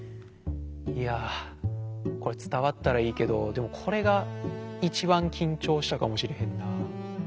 いやこれつたわったらいいけどでもこれがいちばんきんちょうしたかもしれへんな。